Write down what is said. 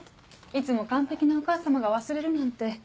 いつも完璧なお母様が忘れるなんて。